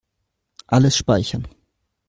Alles speichern.